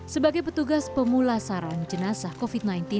sebagai petugas pemula sarang jenazah covid sembilan belas